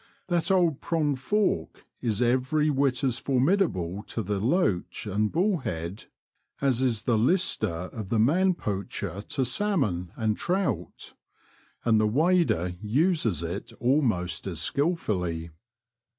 That old pronged fork is every whit as formidable to the loach and bullhead as is the lister of the man The Confessions of a Poacher. 93 poacher to salmon and trout — and the wader uses it almost as skillfully.